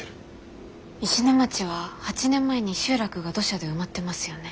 石音町は８年前に集落が土砂で埋まってますよね。